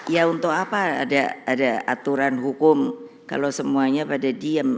ya untuk apa ada aturan hukum kalau semuanya pada diem